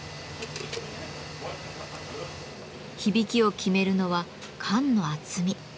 響きを決めるのは管の厚み。